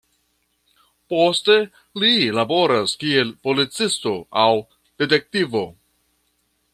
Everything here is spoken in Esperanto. Poste li laboras kiel policisto aŭ detektivo.